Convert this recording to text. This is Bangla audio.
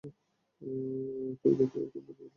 তুই দেখি এখন মদ গিলতেও পারিস না!